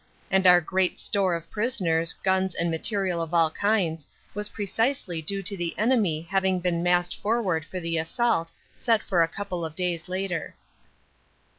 And our great store of prisoners, guns and material of all kinds was precisely due to the enemy having been massed forward for the assault set for a couple of days later.